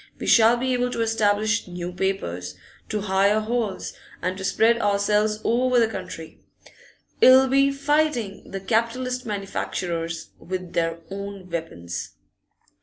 We shall be able to establish new papers, to hire halls, and to spread ourselves over the country. It'll be fighting the capitalist manufacturers with their own weapons.